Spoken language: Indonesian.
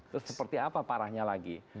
terus seperti apa parahnya lagi